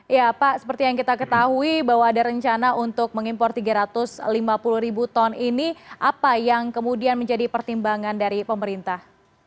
ya pak seperti yang kita ketahui bahwa ada rencana untuk mengimpor tiga ratus lima puluh ribu ton ini apa yang kemudian menjadi pertimbangan dari pemerintah